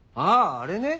あれね。